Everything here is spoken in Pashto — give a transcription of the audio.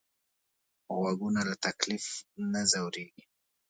غوږونه له تکلیف نه ځورېږي